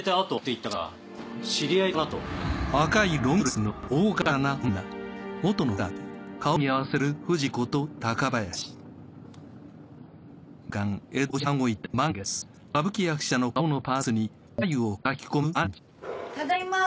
いただきます！